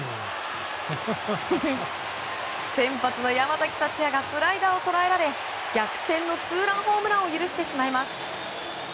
先発の山崎福也がスライダーを捉えられ逆転のツーランホームランを許してしまいます。